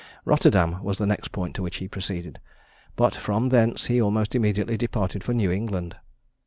Rotterdam was the next point to which he proceeded; but from thence he almost immediately departed for New England.